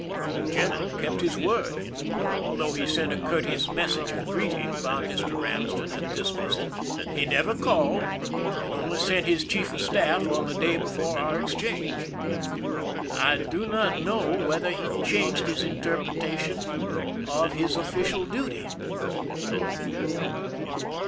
The general kept his word: although he sent a courteous message of greeting by Mr. Eamsden at this visit, he never called, and only sent his chief of staff on the day before our exchange. I do not know whether he changed his interpretation of his official duty.